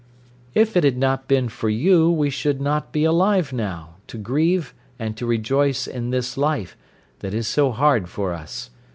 "'If it had not been for you we should not be alive now, to grieve and to rejoice in this life, that is so hard for us.